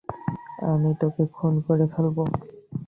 আমি তোকে খুন করে ফেলব।